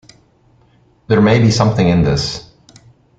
There may be something in this.